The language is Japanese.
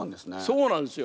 そうなんですよ。